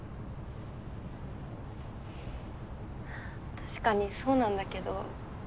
確かにそうなんだけど。